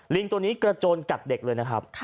ตัวนี้กระโจนกัดเด็กเลยนะครับ